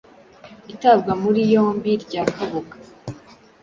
itabwa muri yombi rya Kabuga,